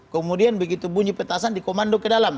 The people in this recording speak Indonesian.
kemudian begitu bunyi petasan di komando ke dalam